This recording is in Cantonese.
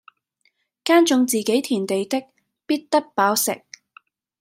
耕種自己田地的，必得飽食